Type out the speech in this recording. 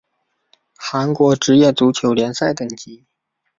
韩国职业足球联赛等级